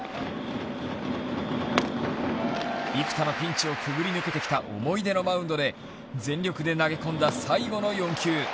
幾多のピンチをくぐり抜けてきた思い出のマウンドで全力で投げ込んだ最後の４球。